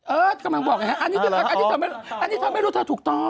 เออกำลังบอกอันนี้เธอไม่รู้เธอถูกต้อง